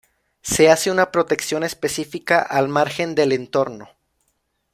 Se hace una protección específica al margen del entorno.